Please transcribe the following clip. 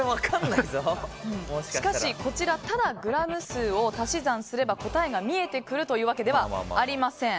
しかし、こちらただグラム数を足し算すれば答えが見えるわけではありません。